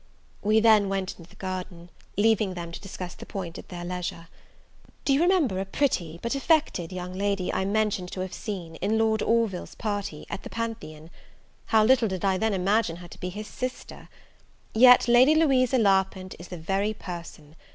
We then went into the garden, leaving them to discuss the point at their leisure. Do you remember a pretty but affected young lady I mentioned to have seen, in Lord Orville's party, at the Pantheon? How little did I then imagine her to be his sister! yet Lady Louisa Larpent is the very person.